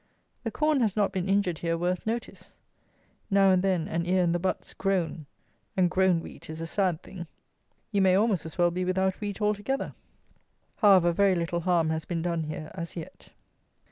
The corn has not been injured here worth notice. Now and then an ear in the butts grown; and grown wheat is a sad thing! You may almost as well be without wheat altogether. However, very little harm has been done here as yet.